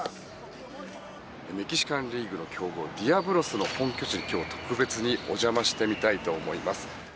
メキシカンリーグの強豪ディアブロスの本拠地に今日特別にお邪魔してみたいと思います。